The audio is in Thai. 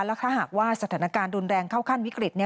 แล้วถ้าหากว่าสถานการณ์รุนแรงเข้าขั้นวิกฤต